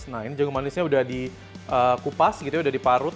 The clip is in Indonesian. nah ini jagung manisnya udah dikupas gitu ya udah diparut